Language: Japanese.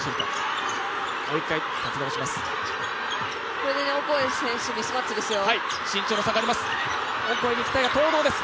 これオコエ選手、ミスマッチですよ。